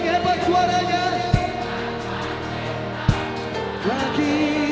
merasa senang hati